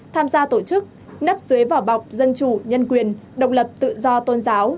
tham gia tổ chức nắp dưới vỏ bọc dân chủ nhân quyền độc lập tự do tôn giáo